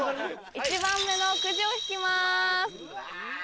１番目のくじを引きます。